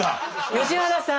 吉原さん。